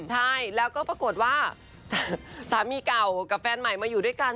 ใช่แล้วก็ปรากฏว่าสามีเก่ากับแฟนใหม่มาอยู่ด้วยกัน